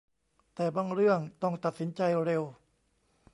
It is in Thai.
แต่บางเรื่องต้องตัดสินใจเร็ว